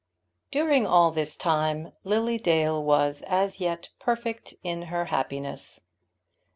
During all this time Lily Dale was as yet perfect in her happiness.